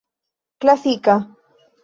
klasika